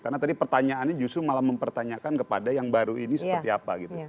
karena tadi pertanyaannya justru malah mempertanyakan kepada yang baru ini seperti apa